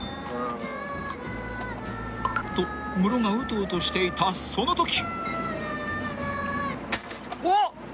［とムロがうとうとしていたそのとき］